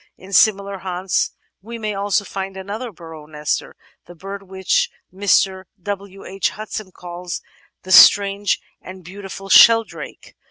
In similar haunts we may also find another burrow nester — the bird which Mr. W. H. Hudson calls "the strange and beautiful Sheldrake."